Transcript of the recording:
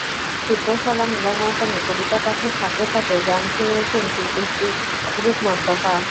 চিত্রশালা মিলনায়তনে কবিতা পাঠের ফাঁকে ফাঁকে গান শুনিয়েছেন শিল্পী সুজিত মোস্তফা।